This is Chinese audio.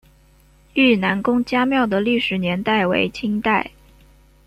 愈南公家庙的历史年代为清代。